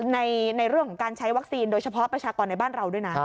ในเรื่องของการใช้วัคซีนโดยเฉพาะประชากรในบ้านเราด้วยนะ